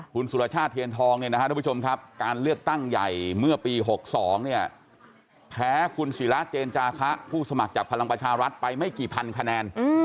คุณสุรชาติเทียนทองเนี่ยนะครับทุกผู้ชมครับการเลือกตั้งใหญ่เมื่อปี๖๒เนี่ยแพ้คุณศิราเจนจาคะผู้สมัครจากพลังประชารัฐไปไม่กี่พันคะแนน